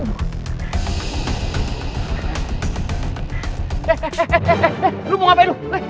mama mau beli